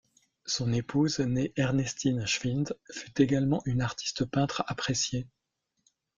Son épouse, née Ernestine Schwind, fut également une artiste peintre appréciée.